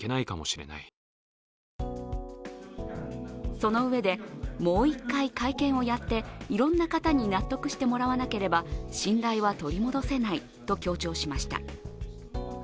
そのうえで、もう一回会見をやっていろんな方に納得してもらわなけば信頼は取り戻せないと強調しました。